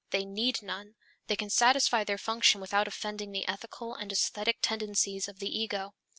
They need none. They can satisfy their function without offending the ethical and aesthetic tendencies of the ego.